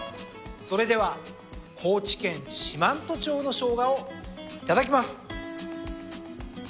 それでは高知県四万十町のショウガをいただきます。